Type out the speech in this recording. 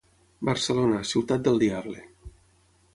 Barcelona, ciutat del diable.